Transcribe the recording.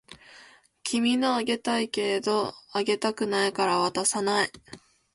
君のあげたいけれどあげたくないから渡さない